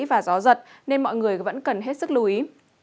và gió giật nên mọi người vẫn cần hết sức lưu ý